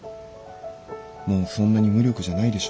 もうそんなに無力じゃないでしょ。